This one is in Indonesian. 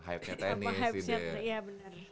hype nya tenis gitu ya